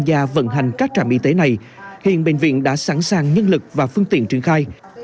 gia vận hành các trạm y tế này hiện bệnh viện đã sẵn sàng nhân lực và phương tiện triển khai